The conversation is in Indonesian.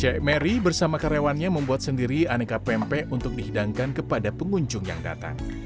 cek mary bersama karyawannya membuat sendiri aneka pempek untuk dihidangkan kepada pengunjung yang datang